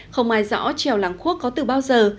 không ai rõ trèo làng khuốc có từ bao giờ